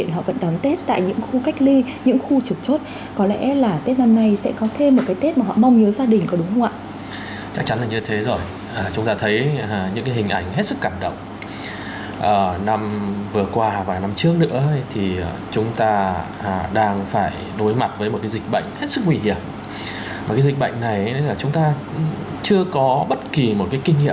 hãy đăng ký kênh để ủng hộ kênh của mình nhé